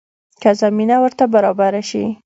که زمینه ورته برابره شي.